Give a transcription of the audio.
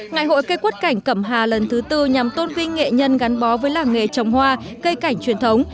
ngày hội cây quất cảnh cẩm hà lần thứ tư nhằm tôn vinh nghệ nhân gắn bó với làng nghề trồng hoa cây cảnh truyền thống